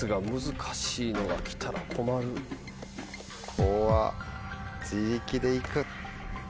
ここは自力でいく。